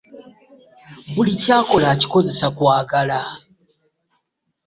Buli kyakokla akikozesa kwagala .